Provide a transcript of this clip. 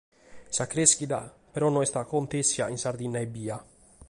Sa crèschida però non est acontèssida in Sardigna ebbia.